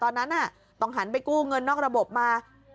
ตอนนั้นต้องหันไปกู้เงินนอกระบบมา